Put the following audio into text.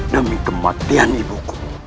demi kematian ibuku